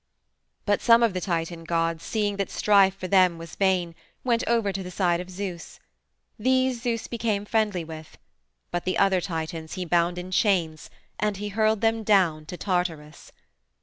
But some of the Titan gods, seeing that the strife for them was vain, went over to the side of Zeus. These Zeus became friendly with. But the other Titans he bound in chains and he hurled them down to Tartarus.